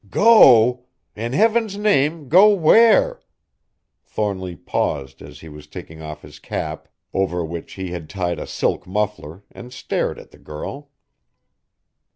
"Go! In heaven's name, go where?" Thornly paused as he was taking off his cap, over which he had tied a silk muffler, and stared at the girl.